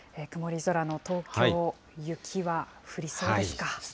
曇り空の東京、雪は降りそうですか？